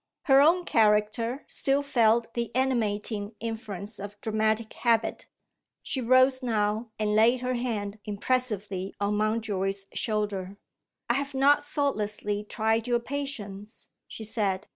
Her own character still felt the animating influence of dramatic habit: she rose now, and laid her hand impressively on Mountjoy's shoulder. "I have not thoughtlessly tried your patience," she said.